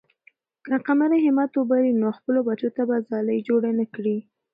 که قمرۍ همت وبایلي، نو خپلو بچو ته به ځالۍ جوړه نه کړي.